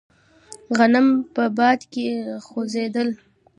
غنم په باد کې خوځېدل.